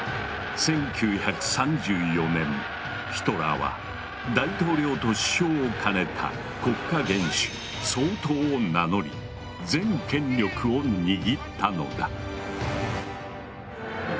１９３４年ヒトラーは大統領と首相を兼ねた国家元首「総統」を名乗り全権力を握ったのだ。